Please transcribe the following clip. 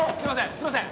すいません